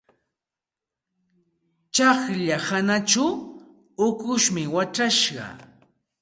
Tsaqlla hanachaw ukushmi wachashqa.